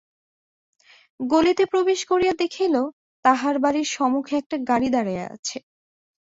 গলিতে প্রবেশ করিয়া দেখিল তাহার বাড়ির সমুখে একটা গাড়ি দাঁড়াইয়া আছে।